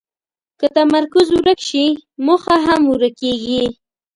که تمرکز ورک شي، موخه هم ورکېږي.